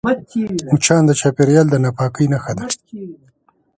مچان د چاپېریال د ناپاکۍ نښه ده